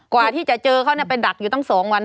กว่าที่จะเจอเขาไปดักอยู่ตั้ง๒วัน